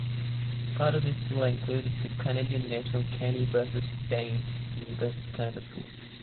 Part of this tour included the Canadian national Kenny versus Spenny versus Canada tour.